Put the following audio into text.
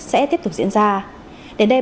sẽ tiếp tục diễn ra đến đây